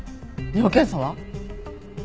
尿検査は？